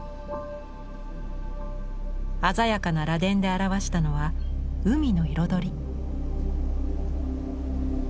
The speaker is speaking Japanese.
鮮やかな螺鈿で表したのは海の彩り。